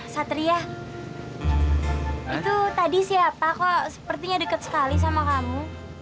satria itu tadi siapa kok sepertinya dekat sekali sama kamu